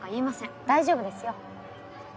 大丈夫ですよ。